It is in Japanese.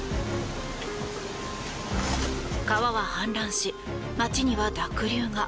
川は氾濫し、街には濁流が。